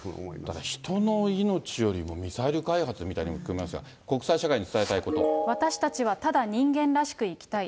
だから人の命よりもミサイル開発みたいに言ってますが、国際私たちはただ人間らしく生きたい。